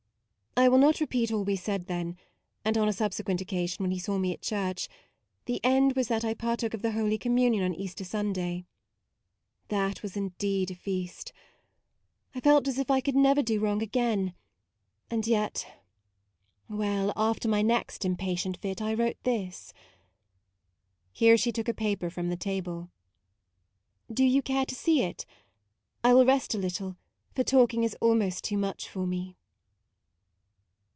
I will not repeat all we said then, and on a subsequent occasion when he saw me at church, the end was that I partook of the Holy Com munion on Easter Sunday. That was indeed a feast. I felt as if I ii2 MAUDE never could do wrong again, and yet well, after my next impatient fit, I wrote this." Here she took a paper from the table :" Do you care to see it ? I will rest a little, for talk ing is almost too much for me.'